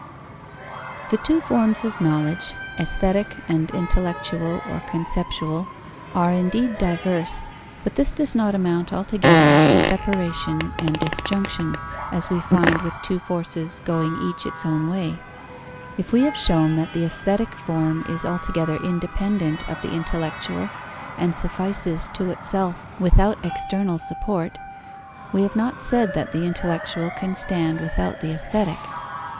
_ The two forms of knowledge, aesthetic and intellectual or conceptual, are indeed diverse, but this does not amount altogether to separation and disjunction, as we find with two forces going each its own way. If we have shown that the aesthetic form is altogether independent of the intellectual and suffices to itself without external support, we have not said that the intellectual can stand without the aesthetic.